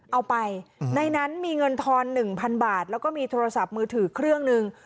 เอาไปในนั้นมีเงินทอน๑๐๐บาทแล้วก็มีโทรศัพท์มือถือเครื่องหนึ่ง